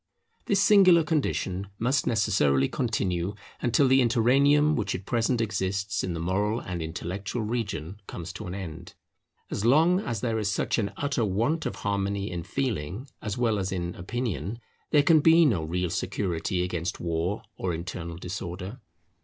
This singular condition must necessarily continue until the interregnum which at present exists in the moral and intellectual region comes to an end. As long as there is such an utter want of harmony in feeling as well as in opinion, there can be no real security against war or internal disorder.